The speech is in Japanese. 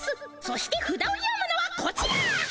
そしてふだを読むのはこちら！